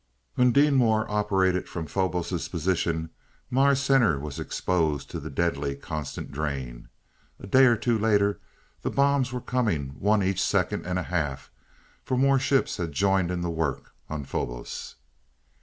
When Deenmor operated from Phobos' position, Mars Center was exposed to the deadly, constant drain. A day or two later, the bombs were coming one each second and a half, for more ships had joined in the work on Phobos.